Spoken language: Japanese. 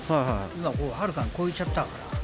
今はるかに超えちゃったから。